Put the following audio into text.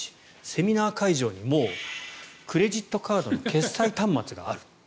セミナー会場にクレジットカードの決済端末がある。